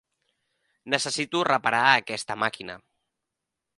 Necessito reparar aquesta màquina.